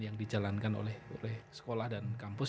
yang dijalankan oleh sekolah dan kampus